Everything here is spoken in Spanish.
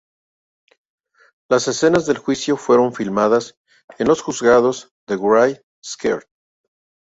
Las escenas del juicio fueron filmadas en los juzgados de Wright Square.